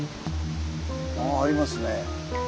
あありますね。